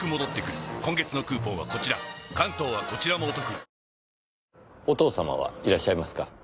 へぇお父様はいらっしゃいますか？